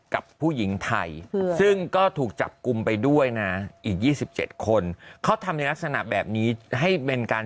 กับผู้หญิงไทยซึ่งก็ถูกจับกลุ่มไปด้วยนะอีก๒๗คนเขาทำในลักษณะแบบนี้ให้เป็นการ